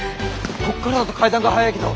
こっからだと階段が早いけど。